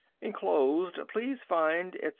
or: "Enclosed please find, etc."